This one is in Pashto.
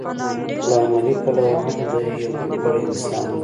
له عملي پلوه هم دی يو نيمګړی انسان وي.